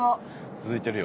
続いてるよ。